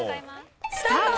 スタート。